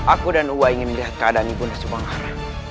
aku dan wak ingin lihat keadaan ibu nasib bangar